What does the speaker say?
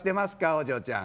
お嬢ちゃん。